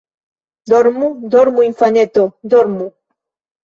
Dormu, dormu, infaneto, Dormu!